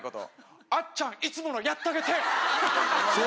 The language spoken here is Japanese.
「あっちゃんいつものやったげて！」